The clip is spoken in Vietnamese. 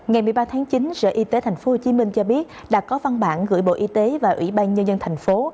ngày một mươi ba tháng chín sở y tế tp hcm cho biết đã có văn bản gửi bộ y tế và ủy ban nhân dân thành phố